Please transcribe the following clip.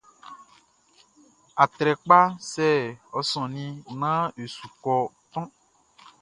Atrɛkpaʼn, sɛ e sɔnnin naan e su kɔ toʼn.